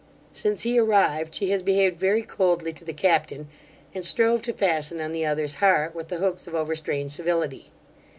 Since he arrived, she has behaved very coldly to the captain, and strove to fasten on the other's heart, with the hooks of overstrained civility.